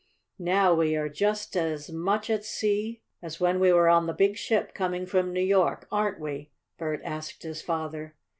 "Now we are just as much at sea as when we were on the big ship coming from New York, aren't we?" Bert asked his father.